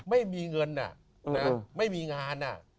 ไม่มีเงินน่ะไม่มีงานน่ะ